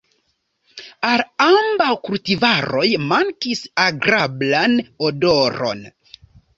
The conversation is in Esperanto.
Al ambaŭ kultivaroj mankis agrablan odoron.